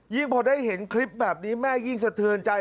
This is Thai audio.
พอได้เห็นคลิปแบบนี้แม่ยิ่งสะเทือนใจ